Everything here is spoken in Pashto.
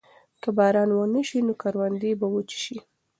که باران ونه شي نو کروندې به وچې شي.